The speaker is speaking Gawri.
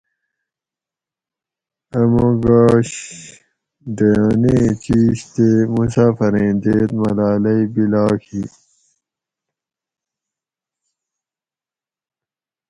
اۤ مہ گاش ڈیانیں چیش تے مسافریں دید ملالے بیلاگ ہی